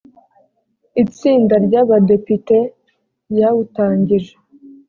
itsinda ry abadepite ryawutangije